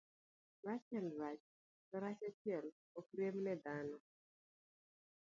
Rach en rach, to rach achiel ok riembne dhano.